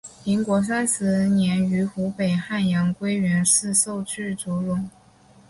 民国三十年于湖北汉阳归元寺受具足戒。